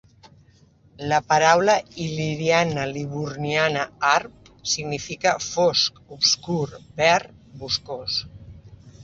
La paraula il·liriana-liburniana "Arb" significava "fosc, obscur, verd, boscós".